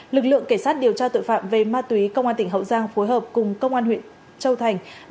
lực lượng cảnh sát điều tra tội phạm về ma túy công an tỉnh hậu giang phối hợp cùng công an huyện châu thành